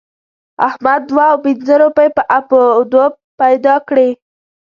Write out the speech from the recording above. احمد دوه او پينځه روپۍ په اپ و دوپ پیدا کړې.